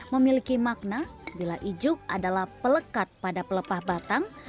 memiliki makna bila ijuk adalah pelekat pada pelepah batang